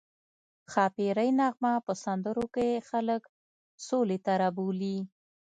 ښاپیرۍ نغمه په سندرو کې خلک سولې ته رابولي